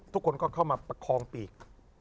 ทุกคนก็เข้ามาประคองปีก